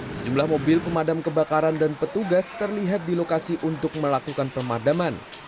sejumlah mobil pemadam kebakaran dan petugas terlihat di lokasi untuk melakukan pemadaman